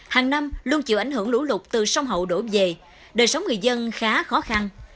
hàng năm luôn chịu ảnh hưởng lũ lụt từ sông hậu đổ về đời sống người dân khá khó khăn